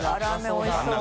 おいしそう！